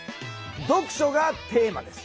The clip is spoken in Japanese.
読書がテーマです。